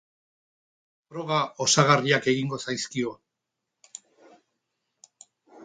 Froga osagarriak egingo zaizkio.